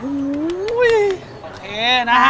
โอเคนะฮะ